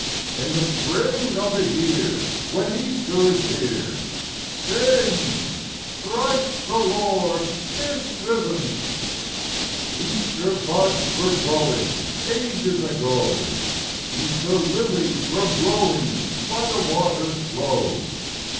In the spring of the year, When Easter is here, Sing, Christ the Lord is risen ! I2 3 Easter buds were growing Ages ago ; Easter lilies were blowing By the water's flow.